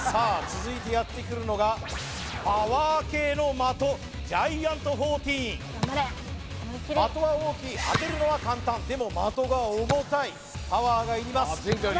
続いてやってくるのがパワー系の的ジャイアント１４的は大きい当てるのは簡単でも的が重たいパワーがいります